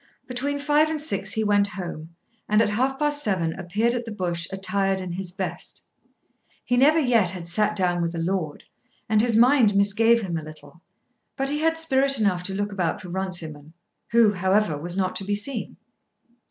Between five and six he went home, and at half past seven appeared at the Bush attired in his best. He never yet had sat down with a lord, and his mind misgave him a little; but he had spirit enough to look about for Runciman, who, however, was not to be seen.